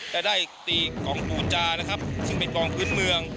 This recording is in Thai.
แต่ได้ตีกองปูจานะครับซึ่งเป็นกองพื้นเมือง